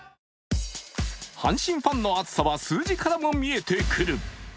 阪神ファンの熱さは数字からも見えてくる。